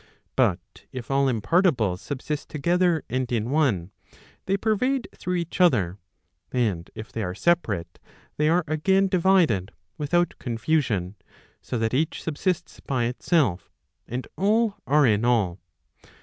But if ail impartibles subsist together and in one, they pervade through each other, and if they are separate, they are again divided without confusion; so that each subsists by itself, and all are in all.